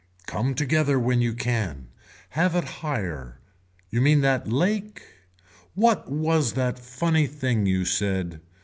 Come together when you can. Have it higher. You mean that lake. What was that funny thing you said.